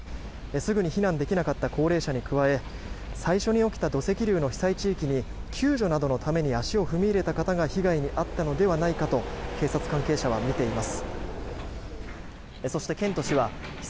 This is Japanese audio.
すぐに避難できなかった高齢者に加え最初に起きた土石流の被災地域に救助などのために足を踏み入れた方が被害に遭ったのではないかと警察関係者は見ています。